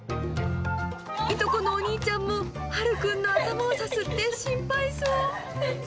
いとこのお兄ちゃんもはるくんの頭をさすって心配そう。